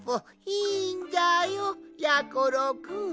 いいんじゃよやころくん。